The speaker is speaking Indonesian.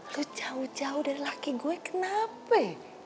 lo jauh jauh dari laki gue kenapa ya